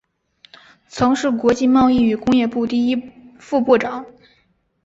曾是国际贸易与工业部第一副部长。